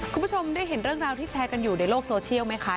คุณผู้ชมได้เห็นเรื่องราวที่แชร์กันอยู่ในโลกโซเชียลไหมคะ